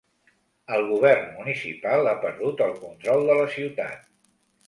El govern municipal ha perdut el control de la ciutat.